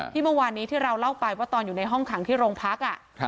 เมื่อวานนี้ที่เราเล่าไปว่าตอนอยู่ในห้องขังที่โรงพัก